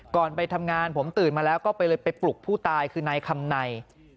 ไปทำงานผมตื่นมาแล้วก็ไปเลยไปปลุกผู้ตายคือนายคำใน